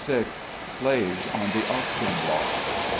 SLAVES ON THE AUCTION BLOCK.